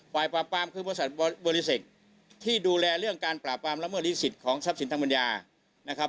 ฝ่ายปราปรามคือบริษัทบริษัทที่ดูแลเรื่องการปราปรามละเมิดลิสิตของทรัพย์สินธรรมนิยา